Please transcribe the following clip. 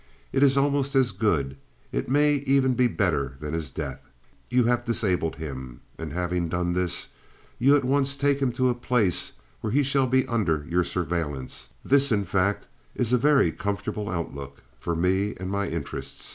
It is almost as good it may even be better than his death. You have disabled him, and having done this you at once take him to a place where he shall be under your surveillance this, in fact, is a very comfortable outlook for me and my interests.